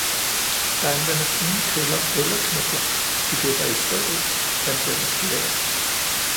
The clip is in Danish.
Der anvendes ingen køller eller knipler, idet der i stedet anvendes geværer.